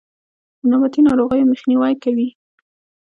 د نباتي ناروغیو مخنیوی کوي.